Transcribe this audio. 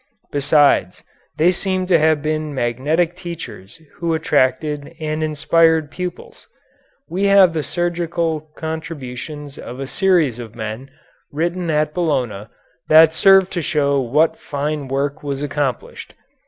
Besides, they seem to have been magnetic teachers who attracted and inspired pupils. We have the surgical contributions of a series of men, written at Bologna, that serve to show what fine work was accomplished.